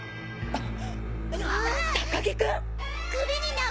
あっ！